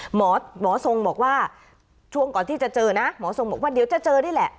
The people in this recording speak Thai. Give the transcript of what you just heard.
หมอทรงบอกว่าช่วงก่อนที่จะเจอนะหมอทรงบอกว่าเดี๋ยวจะเจอนี่แหละ